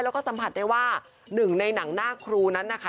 แล้วก็สัมผัสได้ว่าหนึ่งในหนังหน้าครูนั้นนะคะ